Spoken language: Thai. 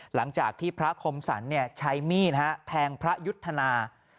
หลังจากที่พระคมสรรใช้มีดแทงพระยุทธนา